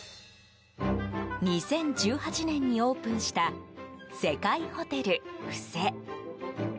２０１８年にオープンしたセカイホテルフセ。